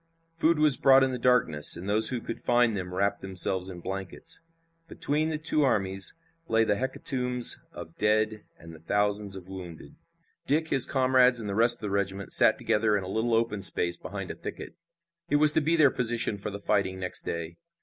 Food was brought in the darkness, and those who could find them wrapped themselves in blankets. Between the two armies lay the hecatombs of dead and the thousands of wounded. Dick, his comrades and the rest of the regiment sat together in a little open space behind a thicket. It was to be their position for the fighting next day.